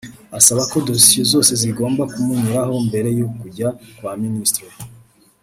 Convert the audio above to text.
asaba ko dosiye zose zigomba kumunyuraho mbere yo kujya kwa Ministre